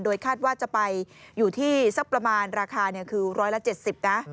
คาดว่าจะไปอยู่ที่สักประมาณราคาคือ๑๗๐นะ